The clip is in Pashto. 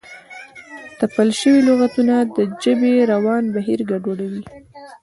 تپل شوي لغتونه د ژبې روان بهیر ګډوډوي.